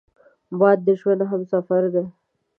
باد د ژوند همسفر دی